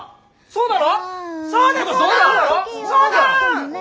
そうだ！